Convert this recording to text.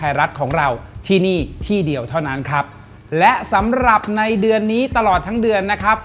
ไทยรัฐของเราที่นี่ที่เดียวเท่านั้นครับและสำหรับในเดือนนี้ตลอดทั้งเดือนนะครับ